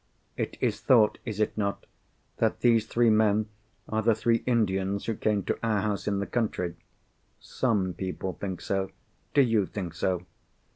"It is thought—is it not?—that these three men are the three Indians who came to our house in the country." "Some people think so." "Do you think so?"